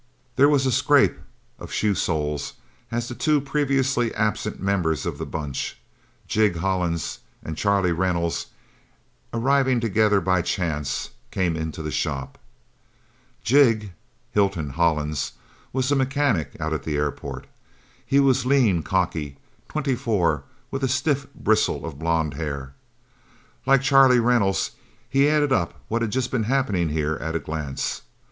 There was a scrape of shoe soles, as the two previously absent members of the Bunch, Jig Hollins and Charlie Reynolds, arriving together by chance, came into the shop. Jig (Hilton) Hollins was a mechanic out at the airport. He was lean, cocky, twenty four, with a stiff bristle of blond hair. Like Charlie Reynolds, he added up what had just been happening, here, at a glance.